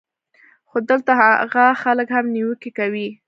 خو دلته هاغه خلک هم نېوکې کوي